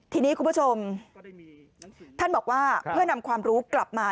ทีนี้คุณผู้ชมท่านบอกว่าเพื่อนำความรู้กลับมา